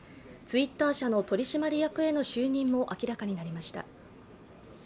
ツイッター社の取締役への就任も明らかになりました。